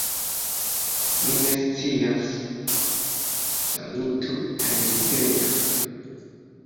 Mi ne scias. Salutu kaj ridetu...